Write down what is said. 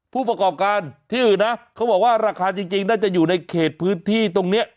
ผู้ประกอบการที่อื่นนะเขาบอกว่าราคาจริงน่าจะอยู่ในเขตพื้นที่ตรงนี้